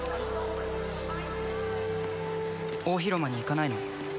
大広間に行かないの？